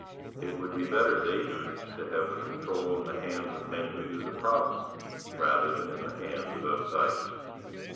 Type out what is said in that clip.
It would be better, they urged, to have the control in the hands of men who knew the province rather than in the hands of outsiders.